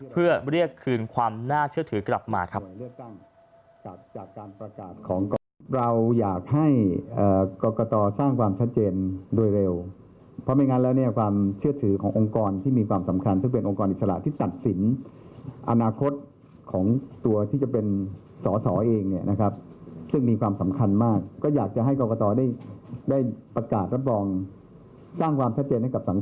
เพื่อเรียกคืนความน่าเชื่อถือกลับมาครับ